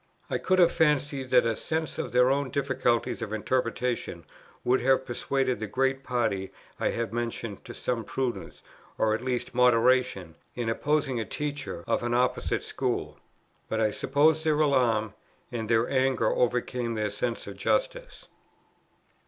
I could have fancied that a sense of their own difficulties of interpretation would have persuaded the great party I have mentioned to some prudence, or at least moderation, in opposing a teacher of an opposite school. But I suppose their alarm and their anger overcame their sense of justice.